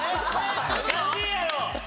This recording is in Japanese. おかしいやろ！